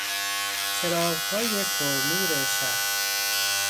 چراغهای پر نور شهر